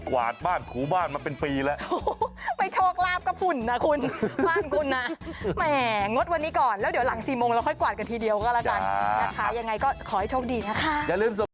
วันนี้ก่อนแล้วเดี๋ยวหลัง๔โมงเราค่อยกวาดกันทีเดียวก็ละกันนะคะยังไงก็ขอให้โชคดีนะคะ